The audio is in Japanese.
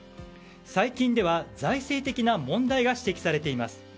最近では、財政的な問題が指摘されています。